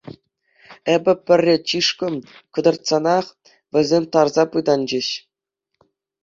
Эпӗ пӗрре чышкӑ кӑтартсанах, вӗсем тарса пытанчӗҫ.